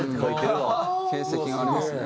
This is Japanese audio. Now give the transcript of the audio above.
形跡がありますね。